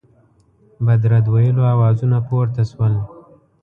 بد رد ویلو آوازونه پورته سول.